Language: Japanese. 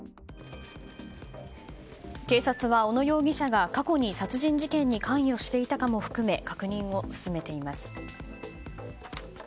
警察は小野容疑者が過去に殺人事件に関与していたかも含め確認を進めています。